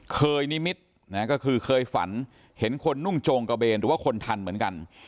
นิมิตรก็คือเคยฝันเห็นคนนุ่งโจงกระเบนหรือว่าคนทันเหมือนกัน